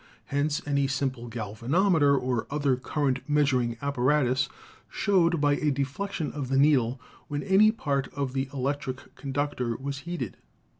Hence any simple galvanometer or other cur rent measuring apparatus showed by a deflection of the needle when any part of the electric conductor was heated.